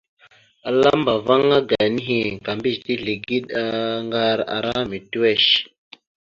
Alaŋbava ge nehe ka mbiyez tezligeɗ aŋgar ara mitiʉwesh.